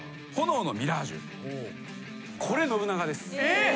これ信長です。